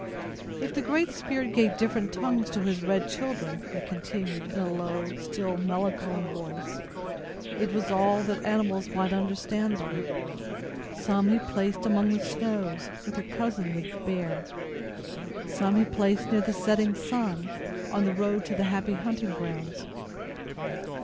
"If the Great Spirit gave different tongues to his red children," he continued, in a low, still melancholy voice, "it was that all animals might understand them. Some He placed among the snows, with their cousin, the bear. Some he placed near the setting sun, on the road to the happy hunting grounds.